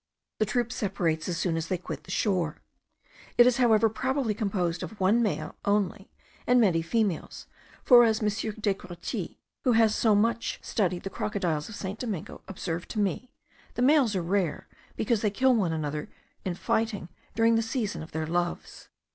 The troop separates as soon as they quit the shore. It is, however, probably composed of one male only, and many females; for as M. Descourtils, who has so much studied the crocodiles of St. Domingo, observed to me, the males are rare, because they kill one another in fighting during the season of their loves.